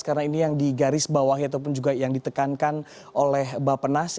karena ini yang di garis bawah ataupun juga yang ditekankan oleh bapak nas